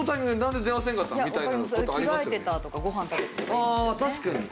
ああ確かに。